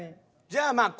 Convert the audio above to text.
じゃあまあ